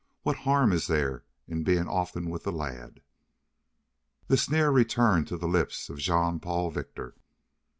What harm is there in being often with the lad?" The sneer returned to the lips of Jean Paul Victor.